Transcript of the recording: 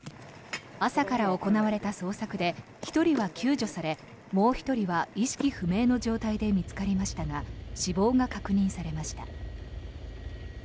朝から行われた捜索で１人は救助されもう１人は意識不明の状態で見つかりましたが死亡が確認されました。